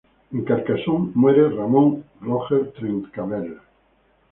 En Carcasona muere Ramón Roger Trencavel.